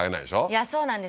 いやそうなんです